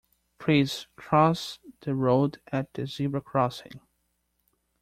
Please cross the road at the zebra crossing